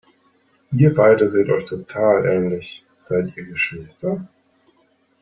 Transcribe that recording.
Ihr beide seht euch total ähnlich, seid ihr Geschwister?